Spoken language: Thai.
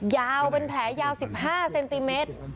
ยาวเป็นแผลยาว๑๕เซนติเมตร